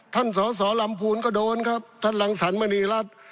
สสลำพูนก็โดนครับท่านรังสรรมณีรัฐ